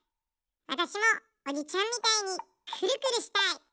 わたしもおじちゃんみたいにクルクルしたい。